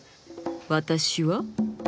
私は？